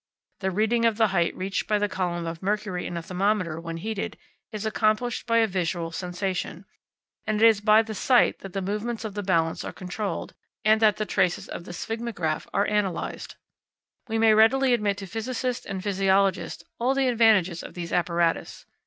The reading of the height reached by the column of mercury in a thermometer when heated is accomplished by a visual sensation, and it is by the sight that the movements of the balance are controlled; and that the traces of the sphygmograph are analysed. We may readily admit to physicists and physiologists all the advantages of these apparatus.